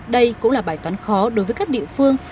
đây cũng là bài toán khó đối với các địa phương